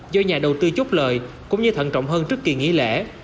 do nhà đầu tư chốt lời cũng như thận trọng hơn trước kỳ nghỉ lễ